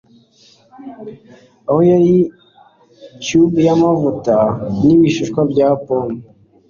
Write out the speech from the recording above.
aho yariye cube y'amavuta n'ibishishwa bya pome